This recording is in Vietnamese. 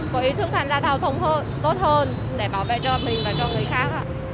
có ý thức tham gia giao thông tốt hơn để bảo vệ cho mình và cho người khác